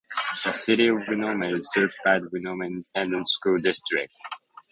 The City of Winona is served by the Winona Independent School District.